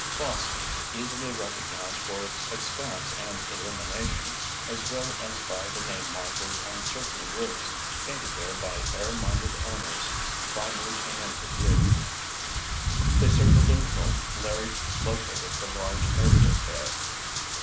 Boston, easily recognized for its expanse and illumination, as well as by the name markers on certain roofs, painted there by air minded owners, finally came into view. They circled until Larry located the large airport there.